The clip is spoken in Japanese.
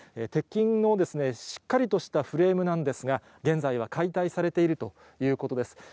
鉄筋のしっかりとしたフレームなんですが、現在は解体されているということです。